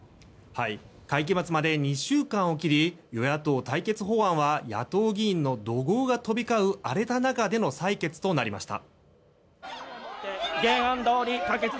会期末まで２週間を切り与野党対決法案は野党議員の怒号が飛び交う荒れた中での採決となりました。